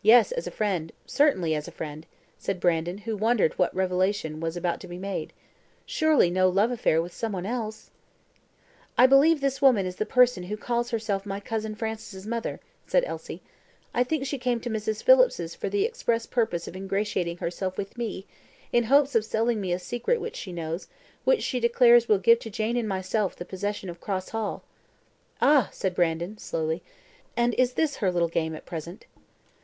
"Yes, as a friend; certainly, as a friend," said Brandon, who wondered what revelation was about to be made. Surely no love affair with some one else! "I believe this woman is the person who calls herself my cousin Francis's mother," said Elsie. "I think she came to Mrs. Phillips's for the express purpose of ingratiating herself with me, in hopes of selling me a secret which she knows, and which she declares will give to Jane and myself the possession of Cross Hall." "Ah!" said Brandon, slowly; "and is this her little game at present?"